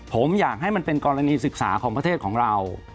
ผมอยากให้มันเป็นกรณีศึกษาของประเทศของเรา